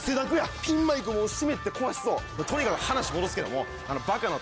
ピンマイク湿って壊しそうとにかく話戻すけども。